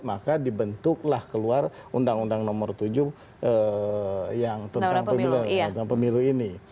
maka dibentuklah keluar undang undang nomor tujuh yang tentang pemilu ini